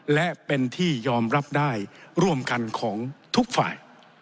และเป็นที่ยอมรับได้ร่วมกันของทุกฝ่าย